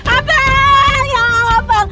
abang ya allah bang